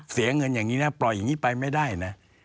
เสียเงินอย่างนี้นะปล่อยอย่างนี้ไปไม่ได้นะ